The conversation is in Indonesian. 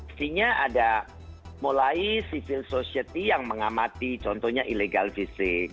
sebenarnya ada mulai civil society yang mengamati contohnya illegal fishing